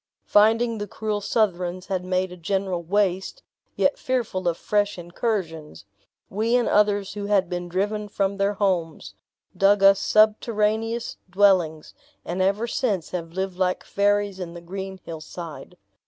Finding the cruel Southrons had made a general waste, yet fearful of fresh incursions, we and others who had been driven from their homes, dug us subterraneous dwellings, and ever since have lived like fairies in the green hillside.